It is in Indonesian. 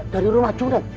dari rumah cun